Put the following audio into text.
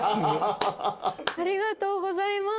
ありがとうございます。